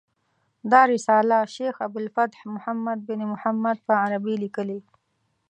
دا رساله شیخ ابو الفتح محمد بن محمد په عربي لیکلې.